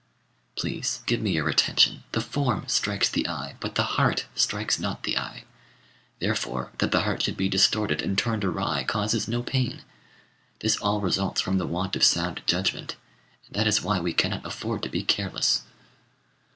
Please give me your attention. The form strikes the eye; but the heart strikes not the eye. Therefore, that the heart should be distorted and turned awry causes no pain. This all results from the want of sound judgment; and that is why we cannot afford to be careless.